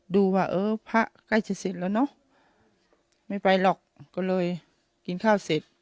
ดูว่าเออพระใกล้จะเสร็จแล้วเนอะไม่ไปหรอกก็เลยกินข้าวเสร็จ